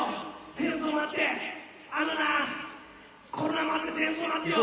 戦争もあってあのなコロナもあって戦争もあってよ